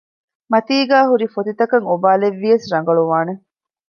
މަތީގައި ހުރިފޮތިތަކަށް އޮބާލެއްވިޔަސް ރަނގަޅުވާނެ